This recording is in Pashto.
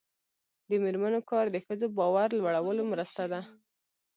د میرمنو کار د ښځو باور لوړولو مرسته ده.